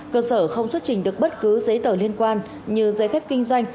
cơ sở không xuất trình được bất cứ giấy tờ liên quan như giấy phép kinh doanh